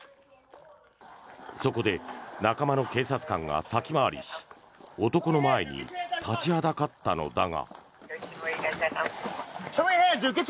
そこで仲間の警察官が先回りし男の前に立ちはだかったのだが。